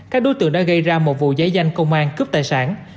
các đối tượng đã gây ra một vụ giấy danh công an cướp tài sản